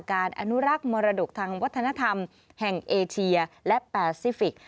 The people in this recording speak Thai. อนุรักษ์มรดกทางวัฒนธรรมแห่งเอเชียและแปซิฟิกส